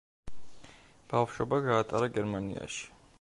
ბავშვობა გაატარა გერმანიაში.